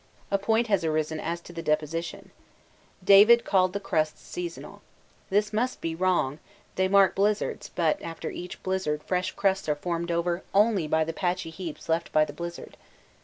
A point has arisen as to the deposition. David called the crusts seasonal. This must be wrong; they mark blizzards, but after each blizzard fresh crusts are formed only over the patchy heaps left by the blizzard.